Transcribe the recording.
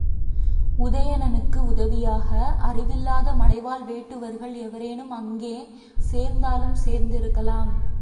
உதயணனுக்கு உதவியாக, அறிவில்லாத மலைவாழ் வேட்டுவர்கள் எவரேனும் அங்கே சேர்ந்தாலும் சேர்ந்திருக்கலாம்.